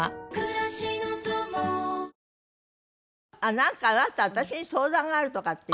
なんかあなた私に相談があるとかっていって。